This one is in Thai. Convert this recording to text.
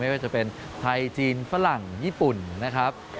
ว่าจะเป็นไทยจีนฝรั่งญี่ปุ่นนะครับ